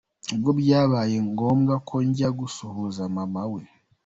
Ubwo byabaye ngombwa ko njya gusuhuza maman we.